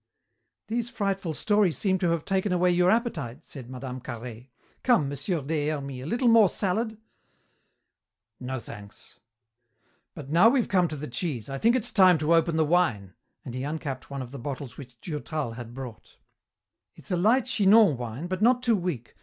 "These frightful stories seem to have taken away your appetite," said Mme. Carhaix. "Come, Monsieur des Hermies, a little more salad?" "No, thanks. But now we've come to the cheese, I think it's time to open the wine," and he uncapped one of the bottles which Durtal had brought. "It's a light Chinon wine, but not too weak.